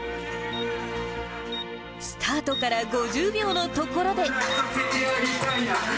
スタートから５０秒のところで。